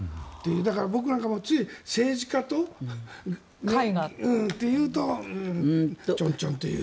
だから、僕なんかもつい政治家と絵画というとうーんという。